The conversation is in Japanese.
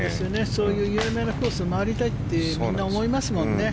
そういう有名なコースを回りたいってみんな思いますもんね